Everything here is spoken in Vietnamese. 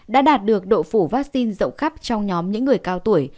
đã đạt được độ phủ vaccine rộng khắp trong nhóm những người cao tuổi